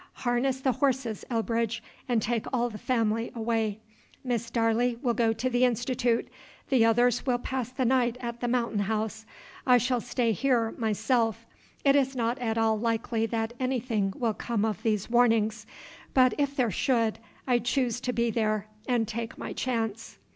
Harness the horses, Elbridge, and take all the family away. Miss Darley will go to the Institute; the others will pass the night at the Mountain House. I shall stay here, myself: it is not at all likely that anything will come of these warnings; but if there should, I choose to be there and take my chance."